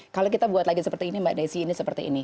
kalau kita buat lagi seperti ini mbak desi ini seperti ini